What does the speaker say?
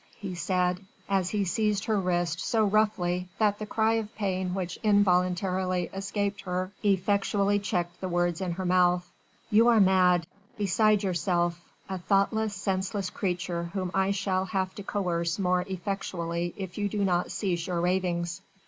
he said, as he seized her wrist so roughly that the cry of pain which involuntarily escaped her effectually checked the words in her mouth. "You are mad, beside yourself, a thoughtless, senseless creature whom I shall have to coerce more effectually if you do not cease your ravings.